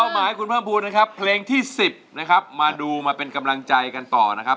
หมายคุณเพิ่มภูมินะครับเพลงที่๑๐นะครับมาดูมาเป็นกำลังใจกันต่อนะครับ